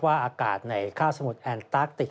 ว่าอากาศในข้าวสมุทรแอนตาคติก